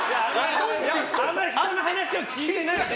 あんまり話を聞いてない。